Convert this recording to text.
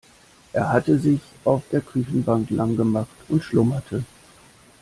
Er hatte sich auf der Küchenbank lang gemacht und schlummerte.